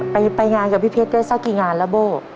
ไปงานกับพี่เพชรได้สักกี่งานแล้วโบ้